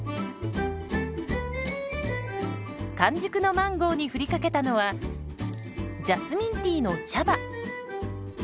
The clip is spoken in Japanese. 完熟のマンゴーに振りかけたのはジャスミンティーの茶葉。